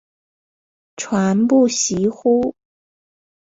传不习乎？